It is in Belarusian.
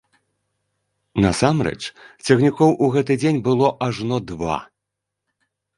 Насамрэч цягнікоў у гэты дзень было ажно два.